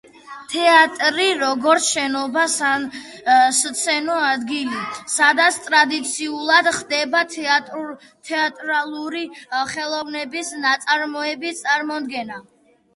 თეატრი, როგორც შენობა, სასცენო ადგილი, სადაც ტრადიციულად ხდება თეატრალური ხელოვნების ნაწარმოების წარმოდგენა.